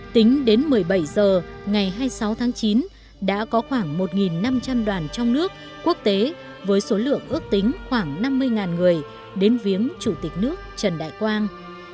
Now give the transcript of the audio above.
tính đến một mươi bảy h ngày hai mươi sáu tháng chín đã có khoảng một năm trăm linh đoàn trong nước quốc tế với số lượng ước tính khoảng năm mươi người đến viếng chủ tịch nước trần đại quang